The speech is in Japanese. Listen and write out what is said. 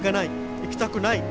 行きたくない。